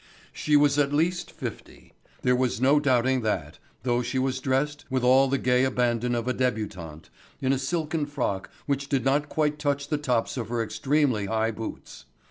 She was at least fifty. There was no doubting that, though she was dressed, with all the gay abandon of a debutante, in a silken frock which did not quite touch the tops of her extremely high boots.